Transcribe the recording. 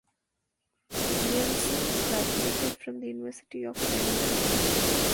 Williamson graduated from the University of Denver.